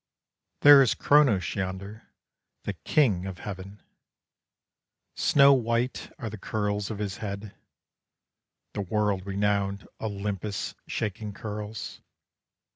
There is Chronos yonder, the king of heaven; Snow white are the curls of his head, The world renowned Olympus shaking curls.